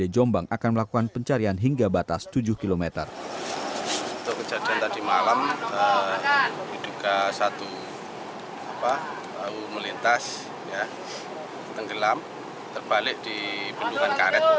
jumlah korban enam